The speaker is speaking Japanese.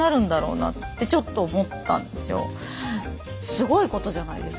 すごいことじゃないですか？